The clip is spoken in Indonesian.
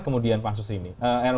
kemudian ruu ini